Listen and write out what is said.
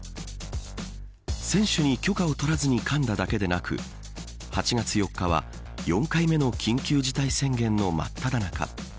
選手に許可を取らずにかんだだけでなく８月４日は、４回目の緊急事態宣言のまっただ中。